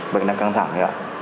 bệnh đang căng thẳng